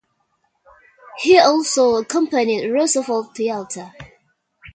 He also accompanied Roosevelt to Yalta.